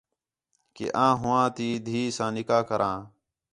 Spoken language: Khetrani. کہ آں ہوآں تی دِھی ساں نِکاح کراں